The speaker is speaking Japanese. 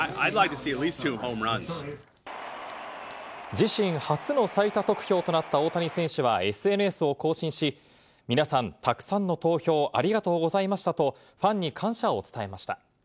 自身初の最多得票となった大谷選手はＳＮＳを更新し、皆さん、たくさんの投票ありがとうございましたと、ファンに感謝を伝えました。